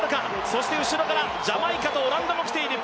そして後ろからジャマイカとオランダも来ている。